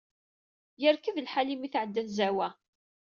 Yerked lḥal mi tɛedda tzawwa.